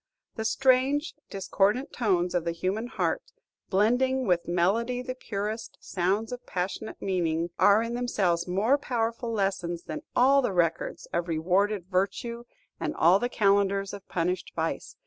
The strange, discordant tones of the human heart, blending, with melody the purest, sounds of passionate meaning, are in themselves more powerful lessons than all the records of rewarded virtue and all the calendars of punished vice.